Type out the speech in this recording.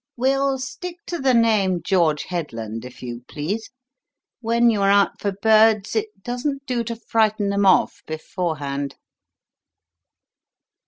"We'll stick to the name 'George Headland,' if you please. When you are out for birds it doesn't do to frighten them off beforehand."